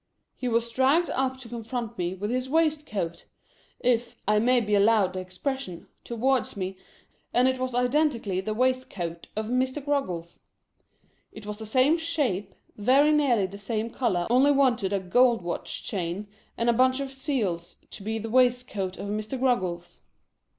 He was dragged up to con front me, with his waistcoat — if I may be allowed the ex pression — toward me; and it was identically the waistcoat of Mr. Groggles. It was the same shape, very nearly the same color, only wanted a gold watch chain and a bunch of seals, to Be the waistcoat of Mr. Groggles.